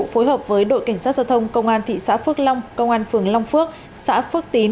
phối hợp với đội cảnh sát giao thông công an thị xã phước long công an phường long phước xã phước tín